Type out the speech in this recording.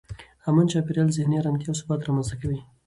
امن چاپېریال ذهني ارامتیا او ثبات رامنځته کوي.